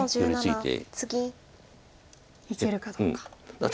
いけるかどうか。